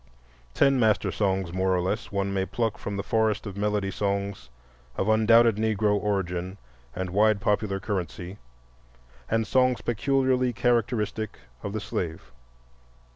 Ten master songs, more or less, one may pluck from the forest of melody songs of undoubted Negro origin and wide popular currency, and songs peculiarly characteristic of the slave.